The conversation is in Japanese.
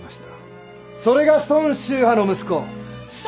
それが孫秀波の息子孫。